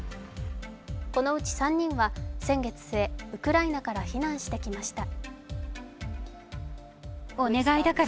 このうち３人は先月末、ウクライナから避難してきました。